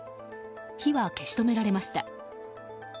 火は消し止められました。